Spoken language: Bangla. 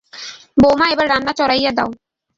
বউমা, এইবার রান্না চড়াইয়া দাও।